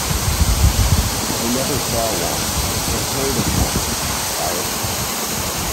‘I never saw one, or heard of one,’ said Alice.